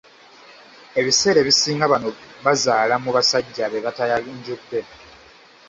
Ebisera ebisinga bano bazaala mu basajja be batayanjudde.